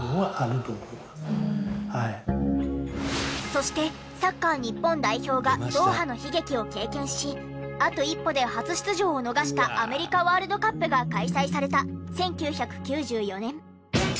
そしてサッカー日本代表がドーハの悲劇を経験しあと一歩で初出場を逃したアメリカワールドカップが開催された１９９４年。